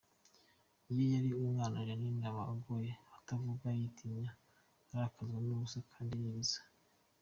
Iyo ari umwana Jeannine aba agoye atavuga, yitinya, arakazwa n’ubusa kandi yiriza.